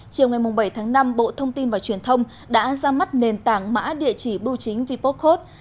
chiều ngày bảy tháng năm bộ thông tin và truyền thông đã ra mắt nền tảng mã địa chỉ bưu chính vipocode